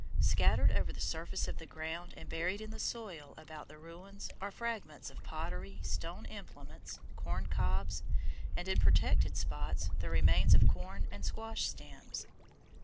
Scattered over the surface of the ground and buried in the soil about the ruins are fragments of pottery, stone implements, corn cobs, and in protected spots the remains of corn and squash stems.